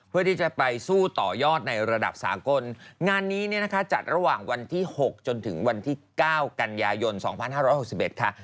เพื่อที่จะไปสู้ต่อยอดในระดับสากลงานนี้เนี่ยนะคะจัดระหว่างวันที่๖จนถึงวันที่๙กันยายน๒๕๖๑ค่ะ